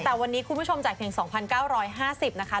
แต่วันนี้คุณผู้ชมจ่ายเพียง๒๙๕๐นะคะ